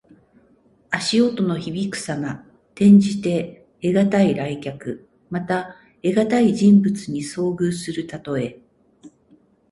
足音のひびくさま。転じて、得難い来客。また、得難い人物に遭遇するたとえ。